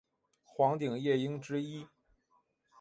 黄顶夜鹭之一。